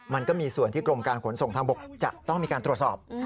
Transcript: มันก็มีส่วนที่กรมการขนส่งทางบกจะต้องมีการตรวจสอบ